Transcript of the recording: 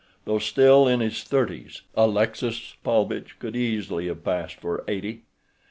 Though still in his thirties, Alexis Paulvitch could easily have passed for eighty.